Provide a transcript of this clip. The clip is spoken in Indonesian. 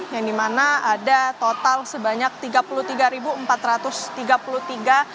yang dimana ada total sebanyak tiga puluh tiga empat ratus tiga puluh tiga